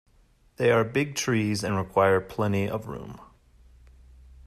They are big trees and require plenty of room.